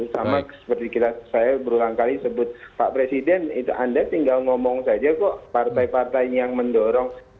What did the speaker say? sama seperti saya berulang kali sebut pak presiden itu anda tinggal ngomong saja kok partai partai yang mendorong